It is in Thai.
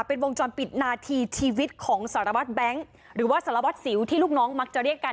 เป็นวงจรปิดนาทีชีวิตของสารวัตรแบงค์หรือว่าสารวัตรสิวที่ลูกน้องมักจะเรียกกัน